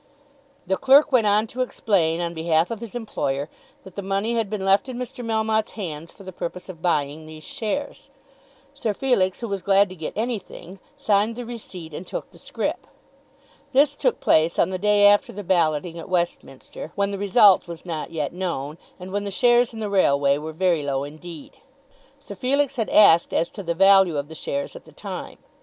The clerk went on to explain, on behalf of his employer, that the money had been left in Mr. Melmotte's hands for the purpose of buying these shares. Sir Felix, who was glad to get anything, signed the receipt and took the scrip. This took place on the day after the balloting at Westminster, when the result was not yet known, and when the shares in the railway were very low indeed. Sir Felix had asked as to the value of the shares at the time.